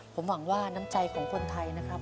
ผมหวังว่าน้ำใจของคนไทยนะครับ